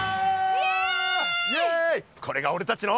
イエイ！